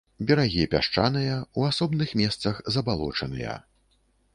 Берагі пясчаныя, у асобных месцах забалочаныя.